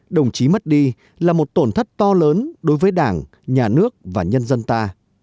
đồng chí mất đi là một tổn thất to lớn đối với đảng nhà nước và nhân dân ta